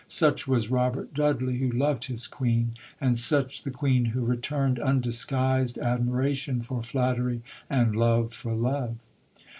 Such was Robert Dudley who loved his Queen; and such the Queen who returned undisguised admiration for flattery, and love for love.